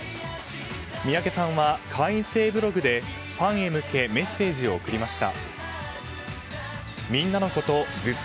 三宅さんは会員制ブログでファンへ向けメッセージを送りました。